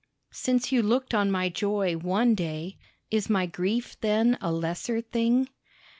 Since you looked on my joy one day, Is my grief then a lesser thing?